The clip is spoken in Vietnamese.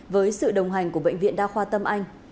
với sự đồng hành của bệnh viện đa khoa tâm anh